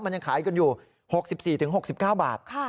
มันยังขายกันอยู่๖๔๖๙บาท